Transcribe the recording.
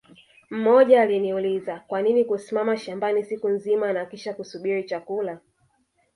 Mmoja aliniuliza Kwanini kusimama shambani siku nzima na kisha kusubiri chakula